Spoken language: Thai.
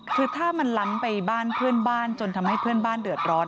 คือถ้ามันล้ำไปบ้านเพื่อนบ้านจนทำให้เพื่อนบ้านเดือดร้อน